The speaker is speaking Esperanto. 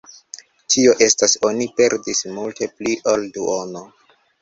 Tio estas oni perdis multe pli ol duono.